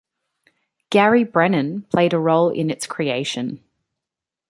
Gary Brennan played a role in its creation.